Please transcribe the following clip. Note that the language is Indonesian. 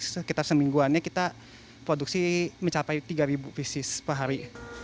sekitar semingguannya kita produksi mencapai tiga pieces per hari